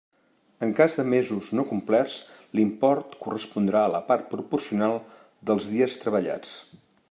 En cas de mesos no complerts l'import correspondrà a la part proporcional dels dies treballats.